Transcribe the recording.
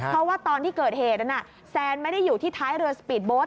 เพราะว่าตอนที่เกิดเหตุนั้นแซนไม่ได้อยู่ที่ท้ายเรือสปีดโบสต